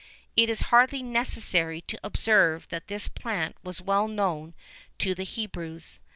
[VIII 36] It is hardly necessary to observe that this plant was well known to the Hebrews.